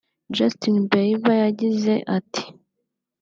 Justin Bieber yagize ati